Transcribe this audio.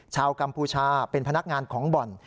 กัมพูชาเป็นพนักงานของบ่อน